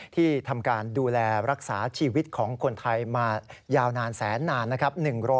ที่ทำการดูแลรักษาชีวิตของคนไทยมายาวนานแสนนานนะครับ